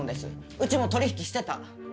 うちも取引してた。